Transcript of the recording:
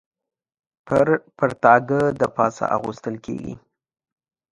پر پرتاګه د پاسه اغوستل کېږي.